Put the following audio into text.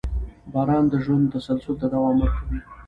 • باران د ژوند تسلسل ته دوام ورکوي.